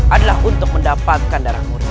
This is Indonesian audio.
adalah untuk mendapatkan darah murah